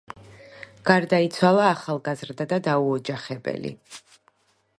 გარდაიცვალა ახალგაზრდა და დაუოჯახებელი.